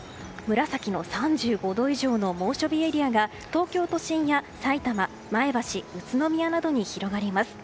紫の３５度以上の猛暑日エリアが東京都心やさいたま前橋、宇都宮などに広がります。